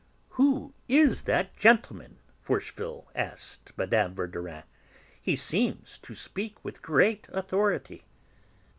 "Who is that gentleman?" Forcheville asked Mme. Verdurin. "He seems to speak with great authority."